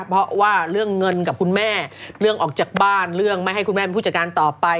เพราะว่าเรื่องเงินกับคุณแม่เรื่องออกจากบ้านเรื่องไม่ให้คุณแม่เป็นผู้จัดการต่อไป